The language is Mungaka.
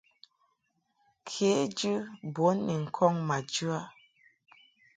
Kejɨ bun ni ŋkɔŋ ma jɨ a.